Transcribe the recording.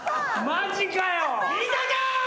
マジかよ。